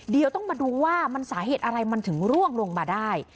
เดี๋ยวต้องมาดูว่ามันสาเหตุอะไรมันถึงร่วงลงมาได้